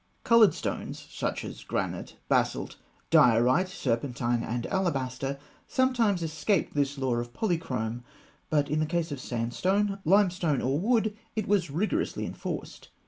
Coloured stones, such as granite, basalt, diorite, serpentine, and alabaster, sometimes escaped this law of polychrome; but in the case of sandstone, limestone, or wood it was rigorously enforced.